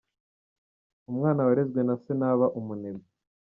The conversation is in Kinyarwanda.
Umwana warezwe na se ntaba umunebwe.